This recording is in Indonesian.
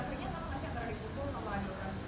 prosesnya sama gak sih antara dipukul sama operasi